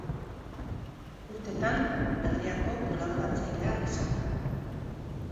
Urtetan Berriako kolaboratzailea izan da.